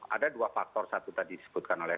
ada dua faktor satu tadi disebutkan oleh